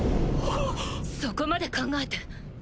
そこまで考えて！